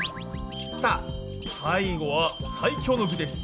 さあ最後は最強の具です。